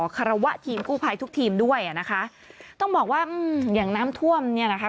คารวะทีมกู้ภัยทุกทีมด้วยอ่ะนะคะต้องบอกว่าอืมอย่างน้ำท่วมเนี่ยนะคะ